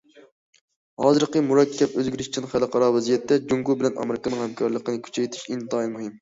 ھازىرقى مۇرەككەپ ئۆزگىرىشچان خەلقئارا ۋەزىيەتتە، جۇڭگو بىلەن ئامېرىكىنىڭ ھەمكارلىقىنى كۈچەيتىش ئىنتايىن مۇھىم.